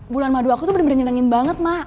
bulan madu aku tuh bener bener nyenangin banget mak